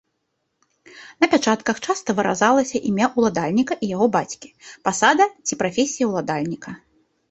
На пячатках часта выразалася імя ўладальніка і яго бацькі, пасада ці прафесія ўладальніка.